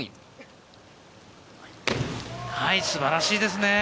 素晴らしいですね。